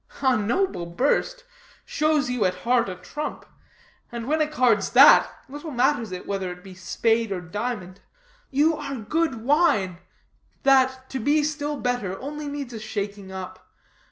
"A noble burst! shows you at heart a trump. And when a card's that, little matters it whether it be spade or diamond. You are good wine that, to be still better, only needs a shaking up.